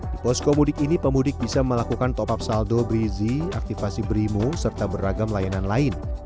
di posko mudik ini pemudik bisa melakukan top up saldo brizi aktifasi brimo serta beragam layanan lain